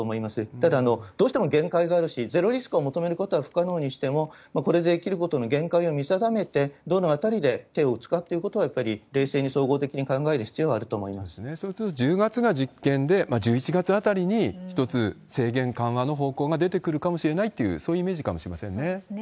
ただ、どうしても限界があるし、ゼロリスクを求めることは不可能にしても、これでできることの限界を見定めて、どのあたりで手を打つかっていうことは、やっぱり冷静に総合的にそうすると、１０月が実験で１１月あたりに１つ制限緩和の方向が出てくるかもしれないという、そういうイメージかもしれませんね。